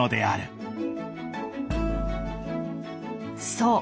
そう。